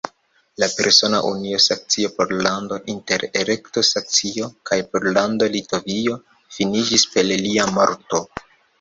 La persona unio Saksio-Pollando inter Elekto-Saksio kaj Pollando-Litovio finiĝis per lia morto.